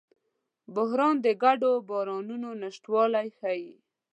بحران د ګډو باورونو نشتوالی ښيي.